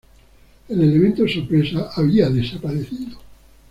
El elemento sorpresa había desaparecido.